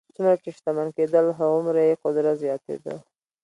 څومره چې شتمن کېدل هغومره یې قدرت زیاتېده.